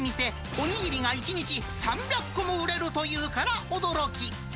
お握りが１日３００個も売れるというから驚き。